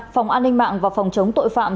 phòng an ninh mạng và phòng chống tội phạm